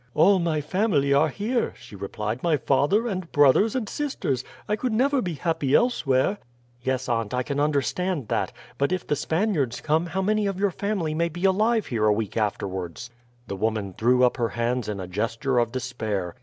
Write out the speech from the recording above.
"All my family are here," she replied; "my father, and brothers, and sisters. I could never be happy elsewhere." "Yes, aunt, I can understand that. But if the Spaniards come, how many of your family may be alive here a week afterwards?" The woman threw up her hands in a gesture of despair.